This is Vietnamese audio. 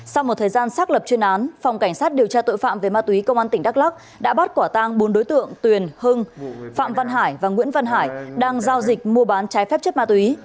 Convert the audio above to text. sau một thời gian xác lập chuyên án phòng cảnh sát điều tra tội phạm về ma túy công an tỉnh đắk lắc đã bắt quả tang bốn đối tượng tuyền hưng phạm văn hải và nguyễn văn hải đang giao dịch mua bán trái phép chất ma túy